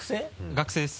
学生です。